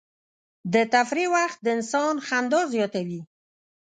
د تفریح وخت د انسان خندا زیاتوي.